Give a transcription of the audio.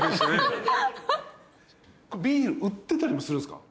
ビール売ってたりもするんすか？